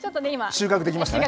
収穫できました。